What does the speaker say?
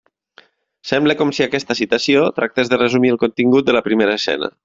Sembla com si aquesta citació tractés de resumir el contingut de la primera escena.